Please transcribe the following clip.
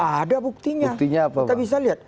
ada buktinya buktinya apa pak kita bisa lihat